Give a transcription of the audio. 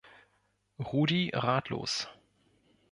Rudi Ratlos.